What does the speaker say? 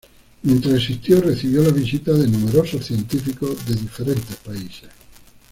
Mientras existió recibió la visita de numerosos científicos de diferentes países.